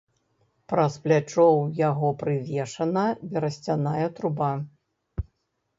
Праз плячо ў яго прывешана берасцяная труба.